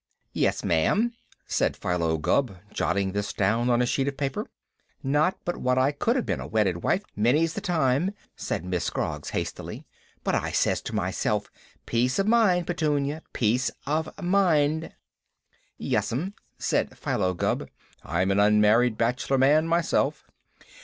"Yes, ma'am," said Philo Gubb, jotting this down on a sheet of paper. "Not but what I could have been a wedded wife many's the time," said Miss Scroggs hastily, "but I says to myself, 'Peace of mind, Petunia, peace of mind!'" "Yes'm," said Philo Gubb. "I'm a unmarried bachelor man myself."